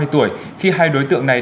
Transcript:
ba mươi tuổi khi hai đối tượng này